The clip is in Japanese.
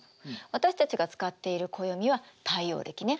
私たちが使っている暦は太陽暦ね。